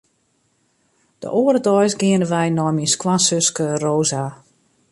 De oare deis geane wy nei myn skoansuske Rosa.